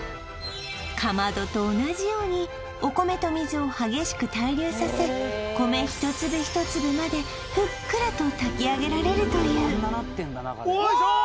かまどと同じようにお米と水を激しく対流させ米一粒一粒までふっくらと炊き上げられるというよいしょー！